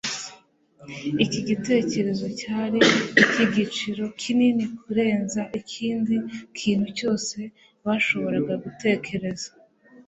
Iki gitekerezo cyari icy'igiciro kinini kurenza ikindi kintu cyose bashoboraga gutekereza :